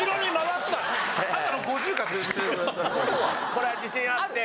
これは自信あって。